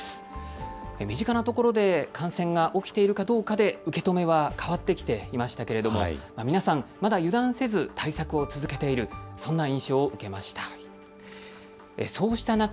身近なところで感染が起きているかどうかで受け止めは変わってきていましたけれども皆さん、まだ油断せず対策を続けているそんな印象を受けました。